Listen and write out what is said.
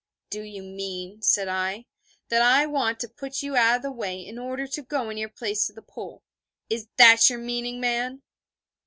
'Do you mean,' said I, 'that I want to put you out of the way in order to go in your place to the Pole? Is that your meaning, man?'